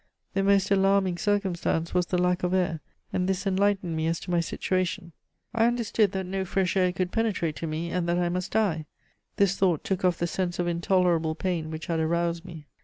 The most alarming circumstance was the lack of air, and this enlightened me as to my situation. I understood that no fresh air could penetrate to me, and that I must die. This thought took off the sense of intolerable pain which had aroused me.